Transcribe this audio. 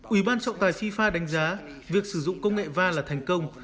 ủy ban trọng tài sifa đánh giá việc sử dụng công nghệ va là thành công